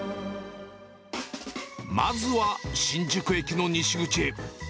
まずは新宿駅の西口へ。